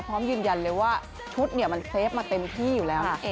พร้อมยืนยันเลยว่าชุดเนี่ยมันเซฟมาเต็มที่อยู่แล้วนะ